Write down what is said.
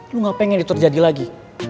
lu gak pengen itu terjadi lagi